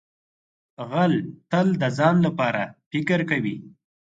غل تل د ځان لپاره فکر کوي